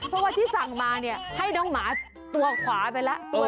เพราะว่าที่สั่งมาเนี่ยให้น้องหมาตัวขวาไปแล้ว